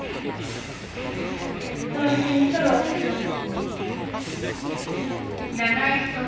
脳室にストローを挿します。